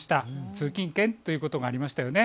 通勤圏ということもありましたよね。